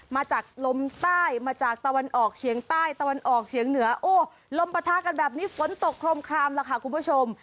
มาจากลมใต้มาจากตะวันออกเฉียงใต้ตะวันออกเฉียงเหนือโอ้ลมปะทะกันแบบนี้ฝนตกโครมคลามล่ะค่ะคุณผู้ชม